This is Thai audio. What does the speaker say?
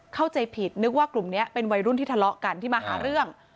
เข้าใจผิดนึกว่ากลุ่มนี้เป็นวัยรุ่นที่ทะเลาะกันที่มาหาเรื่อง